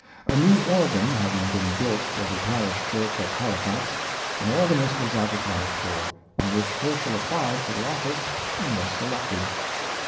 A new organ having been built for the parish church at Halifax, an organist was advertised for, on which Herschel applied for the office and vvas selected.